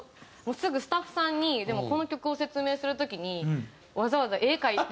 すぐスタッフさんにでもこの曲を説明する時にわざわざ絵描いて。